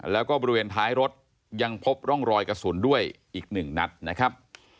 แล้วก็บริเวณท้ายรถยังพบร่องรอยกระสุนด้วยอีกหนึ่งนัดนะครับ